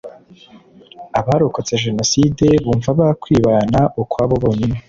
Abarokotse jenoside bumva bakwibana ukwabo bonyine